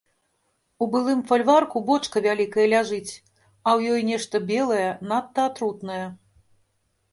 У былым фальварку бочка вялікая ляжыць, а ў нешта белае, надта атрутнае.